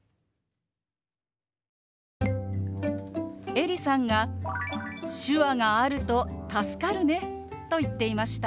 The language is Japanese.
エリさんが「手話があると助かるね」と言っていました。